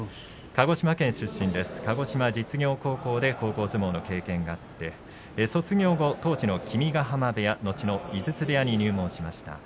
鹿児島実業高校で高校相撲の経験があって卒業後、当時の君ヶ濱部屋のちの井筒部屋に入門しました。